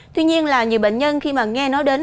tuy nhiên là nhiều bệnh nhân khi mà nghe nói đến